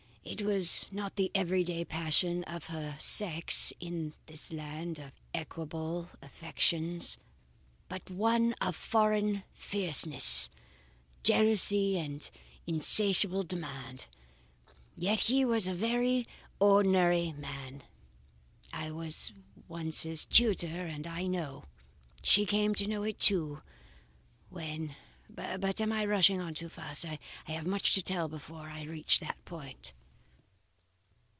It was not the every day passion of her sex in this land of equable affections, but one of foreign fierceness, jealousy, and insatiable demand. Yet he was a very ordinary man. I was once his tutor and I know. She came to know it too, when but I am rushing on too fast, I have much to tell before I reach that point.